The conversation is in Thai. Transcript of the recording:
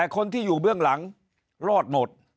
คนที่อยู่เบื้องหลังรอดหมด